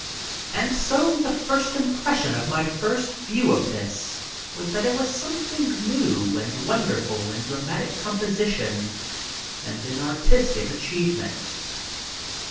And so the first impression of my first view of this was that it was something new and wonderful in dramatic composition and in artistic achievement.